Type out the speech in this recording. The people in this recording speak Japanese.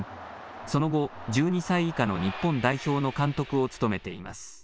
その後、１２歳以下の日本代表の監督を務めています。